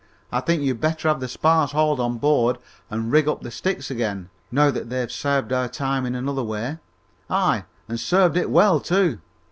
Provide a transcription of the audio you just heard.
I think you'd better have the spars hauled on board and rig up the sticks again, now that they've served our time in another way aye, and served it well, too."